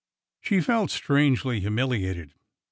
She felt strangely humiliated.